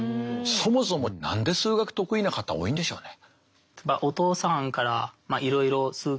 そもそも何で数学得意な方多いんでしょうね。